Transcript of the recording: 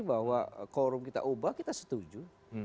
bahwa korum kita ubah kita setuju